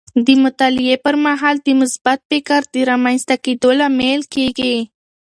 د مطالعې پر مهال د مثبت فکر د رامنځته کیدو لامل کیږي.